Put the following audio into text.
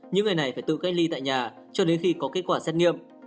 những người này phải tự cách ly tại nhà cho đến khi có kết quả xét nghiệm